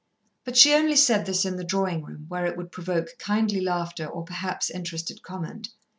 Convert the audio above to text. But she only said this in the drawing room, where it would provoke kindly laughter or perhaps interested comment.